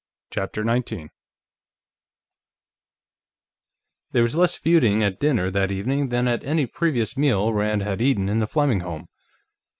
CHAPTER 19 There was less feuding at dinner that evening than at any previous meal Rand had eaten in the Fleming home.